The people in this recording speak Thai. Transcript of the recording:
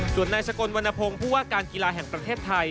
ส่วนนายสกลวรรณพงศ์ผู้ว่าการกีฬาแห่งประเทศไทย